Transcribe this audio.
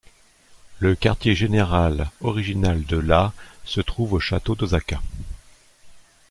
Le quartier-général original de la se trouve au château d'Osaka.